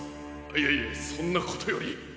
いやいやそんなことより。